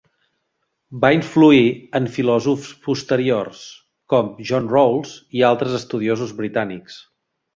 Va influir en filòsofs posteriors com John Rawls i altres estudiosos britànics.